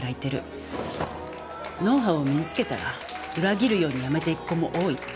ノウハウを身につけたら裏切るように辞めていく子も多い。